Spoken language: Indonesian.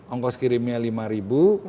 ongkos kirimnya lima ribu